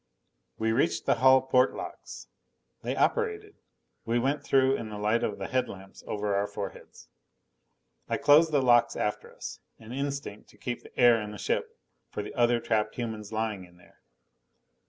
We reached the hull port locks. They operated! We went through in the light of the headlamps over our foreheads. I closed the locks after us: an instinct to keep the air in the ship for the other trapped humans lying in there.